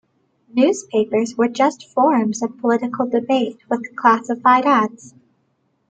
Newspapers were just forums of political debate with classified ads.